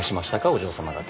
お嬢様方。